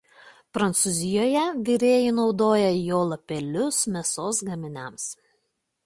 Prancūzijoje virėjai naudoja jo lapelius mėsos gaminiams.